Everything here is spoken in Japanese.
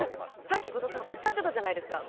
さっき後藤さんおっしゃってたじゃないですか。